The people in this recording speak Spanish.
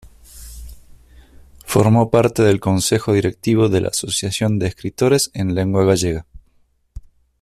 Formó parte del Consejo Directivo de la Asociación de Escritores en Lengua Gallega.